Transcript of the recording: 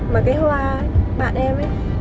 mà cái hoa bạn em